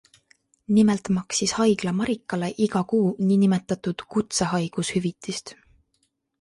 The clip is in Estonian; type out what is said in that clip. Nimelt maksis haigla Marikale iga kuu nn kutsehaigushüvitist.